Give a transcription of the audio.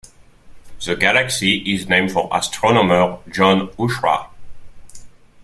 The galaxy is named for astronomer John Huchra.